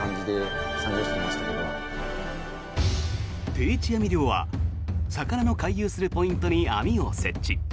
定置網漁は魚の回遊するポイントに網を設置。